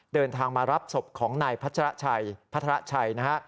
เดินทางมารับศพของนายพัชรชัยพัทรชัยนะฮะ